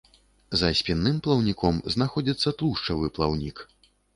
За спінным плаўніком знаходзіцца тлушчавы плаўнік.